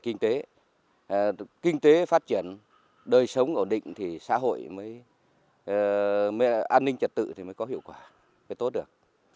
kinh tế kinh tế phát triển đời sống ổn định thì xã hội mới an ninh trật tự thì mới có hiệu quả mới tốt được